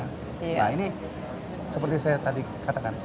nah ini seperti saya tadi katakan